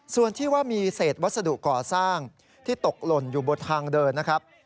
ส่วนที่ว่ามีเศษวัสดุก่อสร้างที่ตกหล่นอยู่บนทางเดินนะครับ